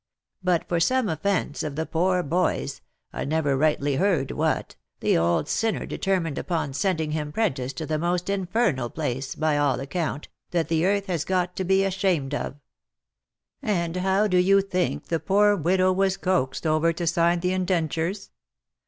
But for some offence of the poor boy's, I never rightly heard what, the old sinner determined upon sending him 'prentice to the most infernal place, by all account, that the earth has got to be ashamed of. And how do you think the poor widow was coaxed over to sign the indentures